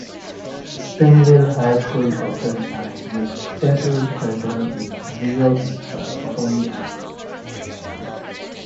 Springville High School offers an extensive curriculum in visual and performing arts.